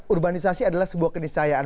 urbanisasi adalah sebuah keniscayaan